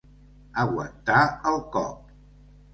Aguantar el cop.